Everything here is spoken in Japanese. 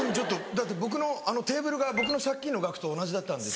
だってテーブルが僕の借金の額と同じだったんです。